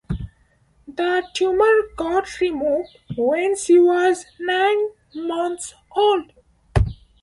The tumour got removed when she was nine months old.